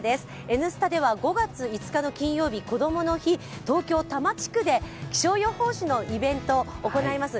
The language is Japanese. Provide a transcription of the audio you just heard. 「Ｎスタ」では５月５日の金曜日こどもの日、東京・多摩地区で気象予報士のイベントを行います。